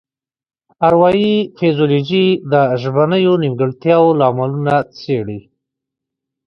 اروايي فزیولوژي د ژبنیو نیمګړتیاوو لاملونه څیړي